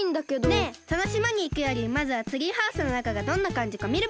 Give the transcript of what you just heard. ねえそのしまにいくよりまずはツリーハウスのなかがどんなかんじかみるべきじゃない？